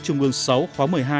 trung ương sáu khóa một mươi hai